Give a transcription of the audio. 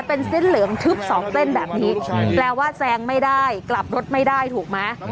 เป็นเส้นเหลืองทึบสองเส้นแบบนี้แปลว่าแซงไม่ได้กลับรถไม่ได้ถูกไหม